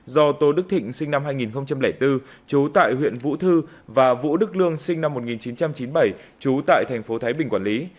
do tô đức thịnh sinh năm hai nghìn bốn trú tại huyện vũ thư và vũ đức lương sinh năm một nghìn chín trăm chín mươi bảy trú tại thành phố thái bình quản lý